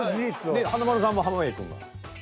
で華丸さんも濱家くんが。